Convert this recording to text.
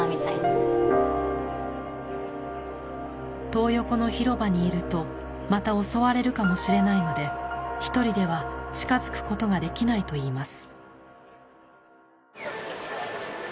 トー横の広場にいるとまた襲われるかもしれないので１人では近づくことができないといいます。